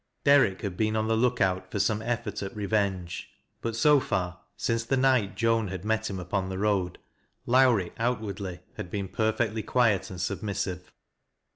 Derrick had been on the lookout for some effort at revenge; but so far since the night Joan had met him npon the road, Lowrie outwardly had been perfectly quiet and submissive.